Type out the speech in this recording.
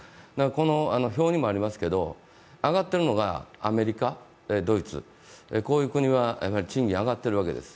この表にもありますけど、上がってるのがアメリカ、ドイツ、こういう国は賃金が上がっているわけです。